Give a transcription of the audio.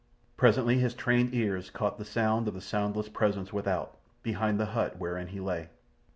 Presently his trained ears caught the sound of the soundless presence without—behind the hut wherein he lay.